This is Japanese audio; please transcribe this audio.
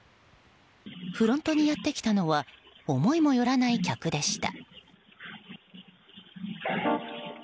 フロントにやってきたのは思いもよらない客でした。